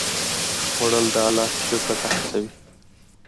خوړل د الله شکر ته هڅوي